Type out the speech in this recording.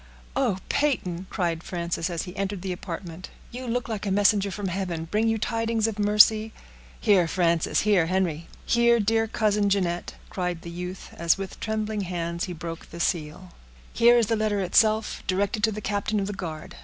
"Oh! Peyton," cried Frances, as he entered the apartment, "you look like a messenger from heaven! Bring you tidings of mercy?" "Here, Frances—here, Henry—here, dear cousin Jeanette," cried the youth, as with trembling hands he broke the seal; "here is the letter itself, directed to the captain of the guard.